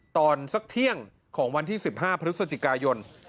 ตอนสักเที่ยงของวันที่๑๕พฤศจิกายน